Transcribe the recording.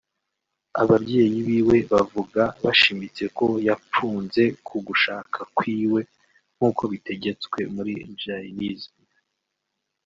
Ababyeyi biwe bavuga bashimitse ko yapfunze kugushaka kwiwe nk’uko bitegetswe muri Jainism